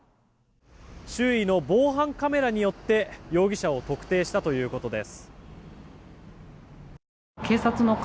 周囲の防犯カメラにより容疑者を特定したということです。